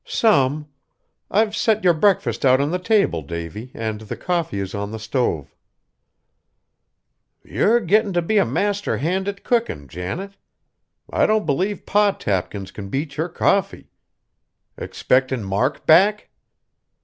"Some. I've set your breakfast out on the table, Davy, and the coffee is on the stove." "Yer gettin' t' be a master hand at cookin', Janet. I don't b'lieve Pa Tapkins can beat yer coffee. Expectin' Mark back?"